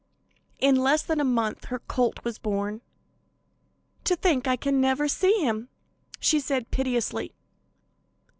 In less than a month her colt was born. "To think I can never see him," she said piteously.